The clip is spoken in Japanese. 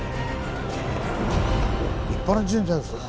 立派な神社ですよね。